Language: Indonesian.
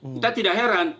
kita tidak heran